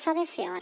私。